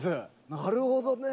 なるほどね。